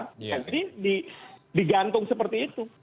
nanti digantung seperti itu